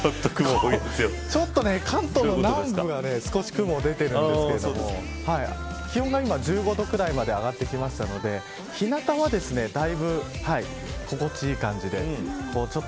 関東の南部は少し雲が出てるんですけど気温が今１５度ぐらいまで上がってきたので日なたはだいぶ心地いい感じで。